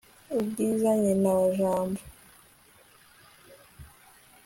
ubwiza, nyina wa jambo